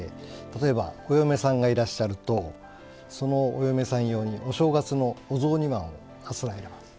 例えばお嫁さんがいらっしゃるとそのお嫁さん用にお正月のお雑煮椀をあつらえられます。